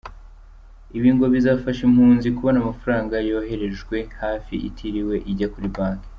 Ibi ngo bizafasha impunzi kubona amafaranga yohererejwe hafi itiriwe ijya kuri banki.